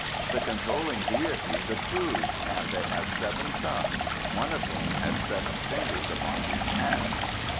The controlling deities approved, and they had seven sons, one of whom had seven fingers upon each hand.